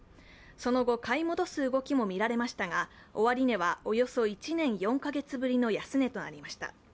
その後、買い戻す動きもみられましたが終値はおよそ１年４カ月ぶりの安値となりました。